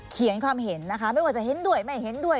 เห็นความเห็นนะคะไม่ว่าจะเห็นด้วยไม่เห็นด้วย